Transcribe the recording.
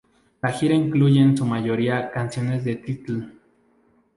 La gira incluye en su mayoría canciones de Title.